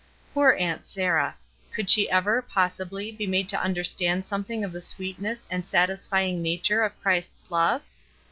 Poor Aunt Sarah! Could she ever, possibly, be made to understand something of the sweetness and satisfying nature of Christ's love?